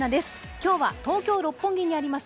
今日は東京・六本木にあります